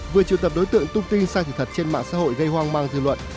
vừa triệu tập đối tượng tung tin sai thật trên mạng xã hội gây hoang mang theo luận